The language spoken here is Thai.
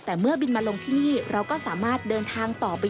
แต่เมื่อบินมาลงที่นี่เราก็สามารถเดินทางต่อไป